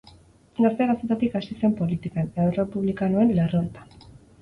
Gazte-gaztetatik hasi zen politikan, errepublikanoen lerroetan.